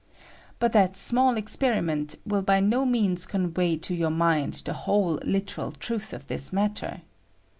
But that small experiment will by no means convey to your mind the whole literal truth of this matter.